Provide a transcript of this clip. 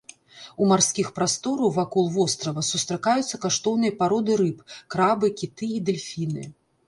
У марскіх прастораў вакол вострава сустракаюцца каштоўныя пароды рыб, крабы, кіты і дэльфіны.